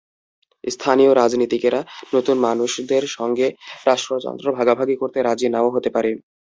স্থানীয় রাজনীতিকেরা নতুন মানুষদের সঙ্গে রাষ্ট্রযন্ত্র ভাগাভাগি করতে রাজি না–ও হতে পারে।